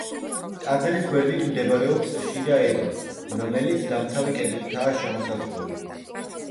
ტაძრის გვერდით მდებარეობს შიდა ეზო, რომელიც დამცავი კედლითაა შემოსაზღვრული.